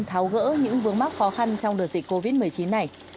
tháo gỡ những vướng mắc khó khăn trong đợt dịch covid một mươi chín này